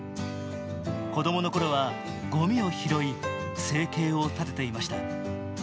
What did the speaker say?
子供のころは、ごみを拾い生計を立てていました。